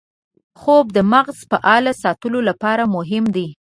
خوب د مغز فعال ساتلو لپاره مهم دی